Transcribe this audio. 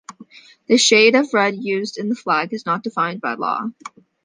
The shade of red used in the flag is not defined by law.